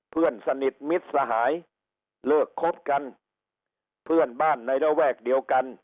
เพื่อนสนิทมิตรสหายเลิกคบกันเพื่อนบ้านในระแวกเดียวกัน